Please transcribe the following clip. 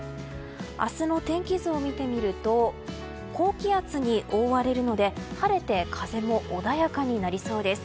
明日の天気図を見てみると高気圧に覆われるので晴れて風も穏やかになりそうです。